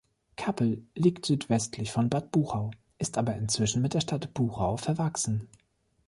Kappel liegt südwestlich von Bad Buchau, ist aber inzwischen mit der Stadt Buchau verwachsen.